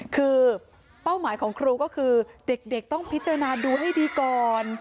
คือเป้าหมายของครูก็คือเด็กต้องพิจารณาดูให้ดีก่อน